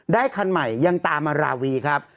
คันใหม่ยังตามมาราวีครับ